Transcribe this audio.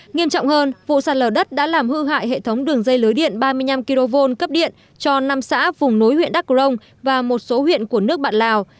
nghiêm trọng hơn vụ sạt lở đất đã làm hư hại hệ thống đường dây lưới điện ba mươi năm kv cấp điện cho năm xã vùng núi huyện đắk crong và một số huyện của nước bạn lào